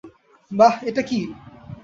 বাহ এটা কি?